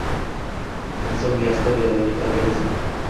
Inson miyasida biologik organizm